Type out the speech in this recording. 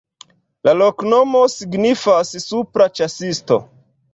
La loknomo signifas: supra-ĉasisto.